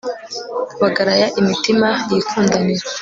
bagaraya imitima, yikundanira